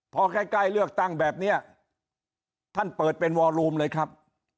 พอใกล้เลือกตั้งแบบนี้ท่านเปิดเป็นวอลูมเลยครับ